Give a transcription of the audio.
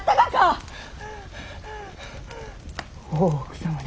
大奥様に。